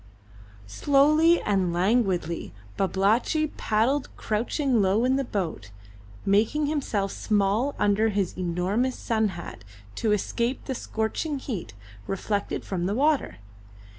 Slowly and languidly Babalatchi paddled, crouching low in the boat, making himself small under his as enormous sun hat to escape the scorching heat reflected from the water.